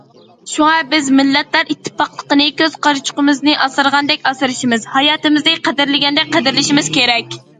شۇڭا بىز مىللەتلەر ئىتتىپاقلىقىنى كۆز قارىچۇقىمىزنى ئاسرىغاندەك ئاسرىشىمىز، ھاياتىمىزنى قەدىرلىگەندەك قەدىرلىشىمىز كېرەك.